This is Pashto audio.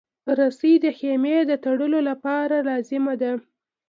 رسۍ د خېمې د تړلو لپاره لازمه ده.